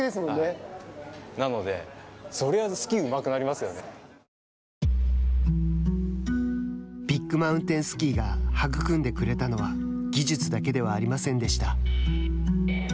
なので、それはスキーうまくなビッグマウンテンスキーが育んでくれたのは技術だけではありませんでした。